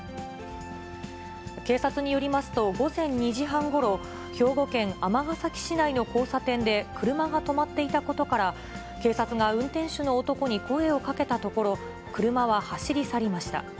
警察によりますと、午前２時半ごろ、兵庫県尼崎市内の交差点で車が止まっていたことから、警察が運転手の男に声をかけたところ、車は走り去りました。